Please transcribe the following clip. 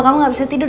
kamu gak bisa tidur